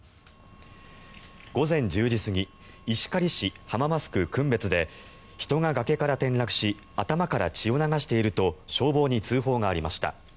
午前１０時過ぎ石狩市浜益区群別で人が崖から転落し頭から血を流していると消防に通報がありました。